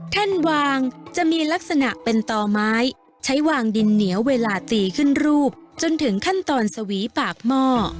แท่นวางจะมีลักษณะเป็นต่อไม้ใช้วางดินเหนียวเวลาตีขึ้นรูปจนถึงขั้นตอนสวีปากหม้อ